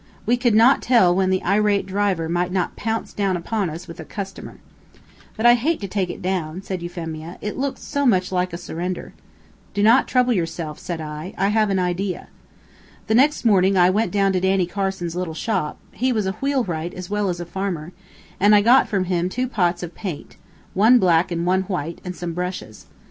We could not tell when the irate driver might not pounce down upon us with a customer. "But I hate to take it down," said Euphemia; "it looks so much like a surrender." "Do not trouble yourself," said I. "I have an idea." The next morning I went down to Danny Carson's little shop, he was a wheelwright as well as a farmer, and I got from him two pots of paint one black and one white and some brushes.